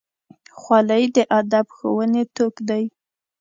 خولۍ د ادب ښوونې توک دی.